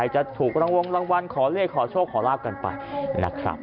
จะถูกรางวงรางวัลขอเลขขอโชคขอลาบกันไปนะครับ